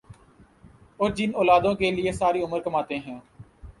اور جن اولادوں کے لیئے ساری عمر کماتے ہیں